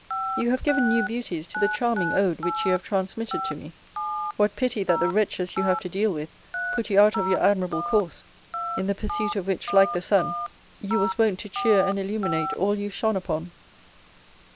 You have given new beauties to the charming Ode which you have transmitted to me. What pity that the wretches you have to deal with, put you out of your admirable course; in the pursuit of which, like the sun, you was wont to cheer and illuminate all you shone upon!